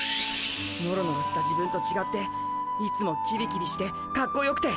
ノロノロした自分とちがっていつもキビキビしてかっこよくて。